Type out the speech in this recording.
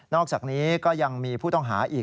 อกจากนี้ก็ยังมีผู้ต้องหาอีก